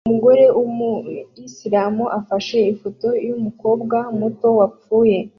Umugore wumuyisilamu afashe ifoto yumukobwa muto wapfuye